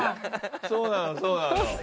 そうなのそうなの。